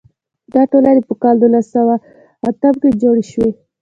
دا ټولنې په کال نولس سوه اتم کې جوړې شوې.